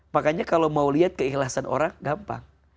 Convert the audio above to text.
makanya kalau mau lihat keikhlasan orang gampang